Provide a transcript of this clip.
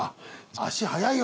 「足早いよ！」